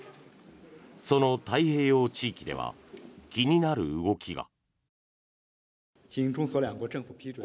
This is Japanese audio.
その太平洋地域では気になる動きが。